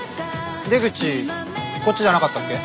出口こっちじゃなかったっけ？